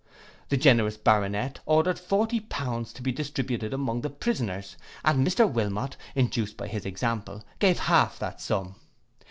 The generous Baronet ordered forty pounds to be distributed among the prisoners, and Mr Wilmot, induced by his example, gave half that sum.